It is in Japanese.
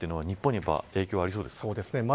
日本には影響ありそうですか。